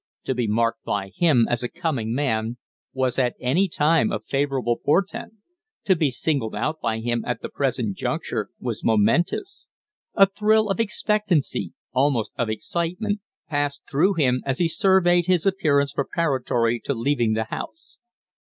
To be marked by him as a coming man was at any time a favorable portent; to be singled out by him at the present juncture was momentous. A thrill of expectancy, almost of excitement, passed through him as he surveyed his appearance preparatory to leaving the house.